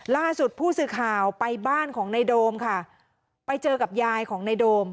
ล่าสุดผู้สื่อข่าวไปบ้านของในโดมค่ะไปเจอกับยายของในโดม